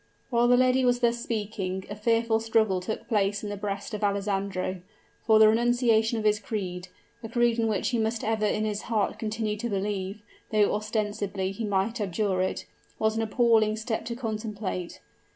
While the lady was thus speaking, a fearful struggle took place in the breast of Alessandro for the renunciation of his creed, a creed in which he must ever in his heart continue to believe, though ostensibly he might abjure it was an appalling step to contemplate.